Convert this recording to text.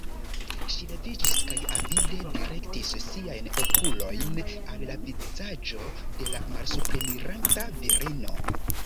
Ŝi leviĝis kaj avide direktis siajn okulojn al la vizaĝo de la malsupreniranta virino.